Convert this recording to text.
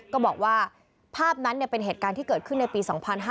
ก็บอกว่าภาพนั้นเป็นเหตุการณ์ที่เกิดขึ้นในปี๒๕๕๙